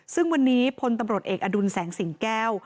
ซึ่งวันนี้พลตำรวจเอกอดุลแสงสิงแก้ว